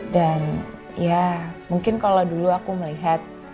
dan ya mungkin kalo dulu aku melihat